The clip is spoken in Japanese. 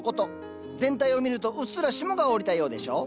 全体を見るとうっすら霜が降りたようでしょ。